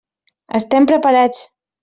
Estem preparats.